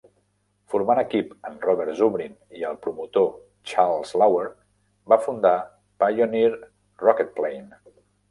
Formant equip amb Robert Zubrin i el promotor Charles Lauer, va fundar Pioneer Rocketplane.